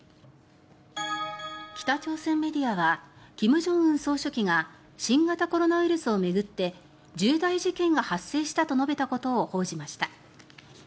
北朝鮮メディアは金正恩総書記が新型コロナウイルスを巡って重大事件が発生したと述べたことを報じました。